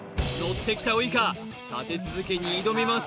ッてきたウイカ立て続けに挑みます